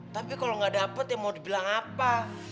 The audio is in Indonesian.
tapi kalau gak dapet ya mau dibilang apa